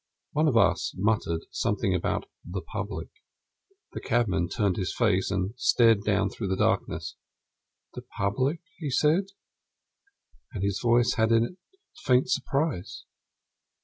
One of us muttered something about the Public. The cabman turned his face and stared down through the darkness. "The Public?" he said, and his voice had in it a faint surprise.